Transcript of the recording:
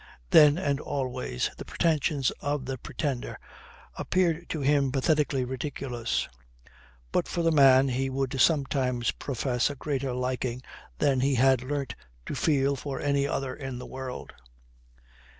Then and always the pretensions of the Pretender appeared to him pathetically ridiculous. But for the man he would sometimes profess a greater liking than he had learnt to feel for any other in the world.